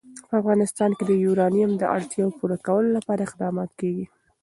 په افغانستان کې د یورانیم د اړتیاوو پوره کولو لپاره اقدامات کېږي.